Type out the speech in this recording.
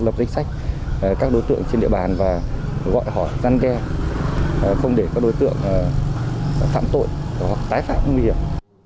lập danh sách các đối tượng trên địa bàn và gọi hỏi gian đe không để các đối tượng phạm tội tái phạm nguy hiểm